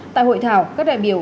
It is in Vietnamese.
tại hội thảo các đại biểu